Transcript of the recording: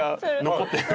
残ってるか。